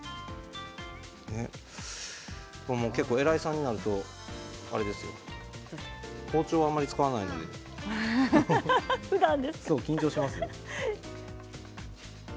結構、偉い人になると包丁は、あまり使わないので緊張します。